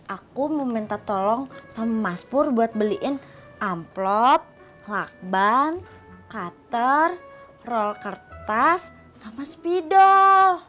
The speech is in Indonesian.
aku meminta tolong sama mas pur buat beliin amplop lakban cutter roll kertas sama spidol